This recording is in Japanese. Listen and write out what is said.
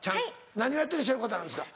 何をやってらっしゃる方なんですか？